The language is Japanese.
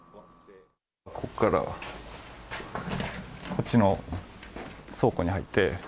ここから、こっちの倉庫に入って。